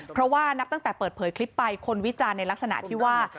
เพราะว่านับตั้งแต่เปิดเผยคลิปไปคนวิจารณ์ในลักษณะที่ว่า